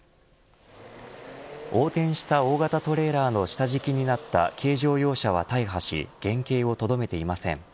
横転した大型トレーラーの下敷きになった軽乗用車は大破し原形をとどめていません。